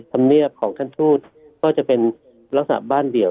ธรรมเนียบของท่านทูตก็จะเป็นลักษณะบ้านเดี่ยว